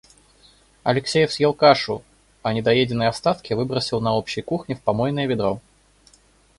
Алексеев съел кашу, а недоеденные остатки выбросил на общей кухне в помойное ведро.